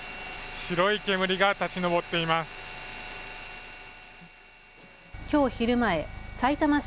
白い煙が立ち上っています。